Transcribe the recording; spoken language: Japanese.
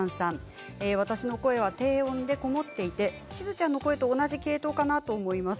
私の声は低音で籠もっていてしずちゃんの声と同じ系統かなと思います。